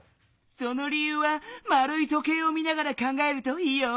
その理ゆうはまるい時計を見ながら考えるといいよ。